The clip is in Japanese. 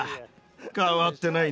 変わってないね。